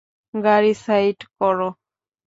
গাড়ি side core.